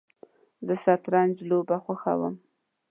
زه شطرنج لوبه خوښوم